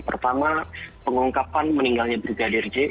pertama pengungkapan meninggalnya brigadir j